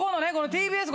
ＴＢＳ